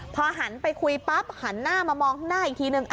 พอหันไปคุยปั๊บหันหน้ามามองข้างหน้าอีกทีนึง